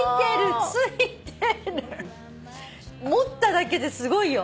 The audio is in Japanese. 持っただけですごいよ。